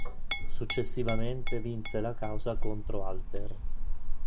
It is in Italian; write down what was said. Successivamente vinse la causa contro Alter.